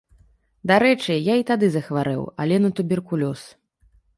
Дарэчы, я і тады захварэў, але на туберкулёз.